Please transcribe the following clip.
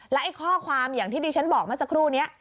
และข้อความอย่างที่ดิฉันบอกเมื่อสักครู่นี้